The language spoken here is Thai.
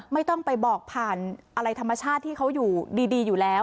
ไม่ต้องไปบอกผ่านอะไรธรรมชาติที่เขาอยู่ดีอยู่แล้ว